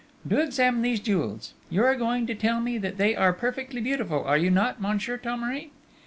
"Do examine these jewels! You are going to tell me that they are perfectly beautiful, are you not, Monsieur Thomery?"